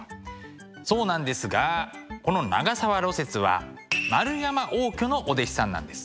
そうなんですがこの長沢雪は円山応挙のお弟子さんなんです。